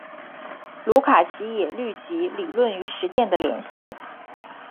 卢卡奇也虑及理论与实践的联系。